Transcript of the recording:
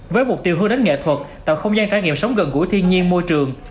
với mục tiêu hư đến nghệ thuật tạo không gian trải nghiệm sống gần gũi thiên nhiên môi trường